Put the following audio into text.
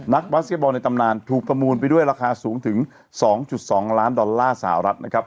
นักบ๊าสเกฟบอลในตำนานถูกประมูลไปด้วยราคาสูงถึงสองจุดสองล้านดอลลาร์สหรัฐนะครับ